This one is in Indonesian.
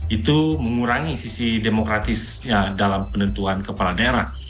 itu mengurangi sisi demokratisnya dalam penentuan kepala daerah